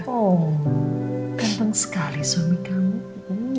ganteng sekali suami kamu